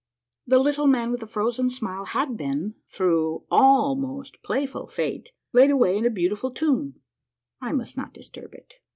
The Little Man with the Frozen Smile had been, through al most playful fate, laid away in a beautiful tomb. I must not disturb it.